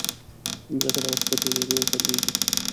مځکه د وخت په تېرېدو بدلېږي.